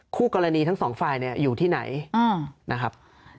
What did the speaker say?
คู่กรณีทั้งสองฝ่ายเนี่ยอยู่ที่ไหนนะครับ